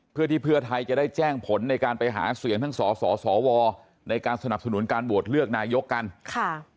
เพื่อที่เพื่อไทยจะได้แจ้งผลในการไปหาเสียงทั้งสสวในการสนับสนุนการโหวตเลือกนายกกันค่ะ